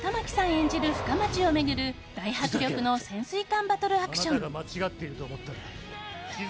演じる深町を巡る大迫力の潜水艦バトルアクション。